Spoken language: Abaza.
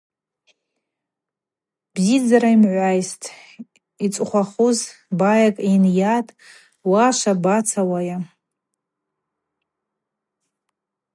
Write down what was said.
Бзидздзара йымгӏвайстӏ, йцӏыхъвахуз байакӏ йынйатӏ: – Уа, швабацауа?